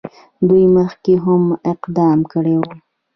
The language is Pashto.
دوی مخکې هم اقدام کړی وو.